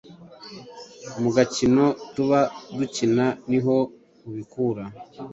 Mu gakino tuba dukina niho abikura